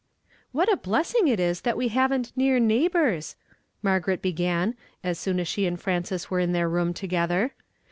"AVhat a blessing it is that we haven't near neighbors!" Margaret began, as soon as she and Frances w ere in their room together.